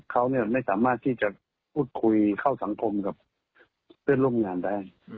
เขาไม่สามารถที่จะพูดคุยเข้าสังคมกับเพื่อนร่วมงานได้